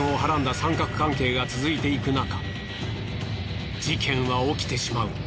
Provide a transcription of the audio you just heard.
三角関係が続いていくなか事件は起きてしまう。